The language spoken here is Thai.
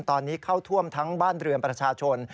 ตอนนี้เข้าท่วมทั้งบ้านเรือนประชาชน